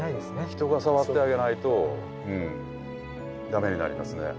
人が触ってあげないとうん駄目になりますね。